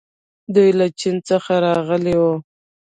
دوی له چین څخه راغلي وو